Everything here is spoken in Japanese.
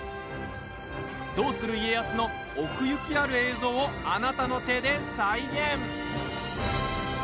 「どうする家康」の奥行きある映像をあなたの手で再現。